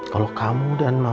kalau kamu dan mama